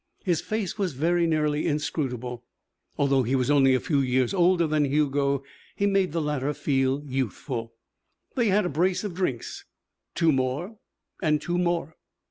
His face was very nearly inscrutable. Although he was only a few years older than Hugo, he made the latter feel youthful. They had a brace of drinks, two more and two more.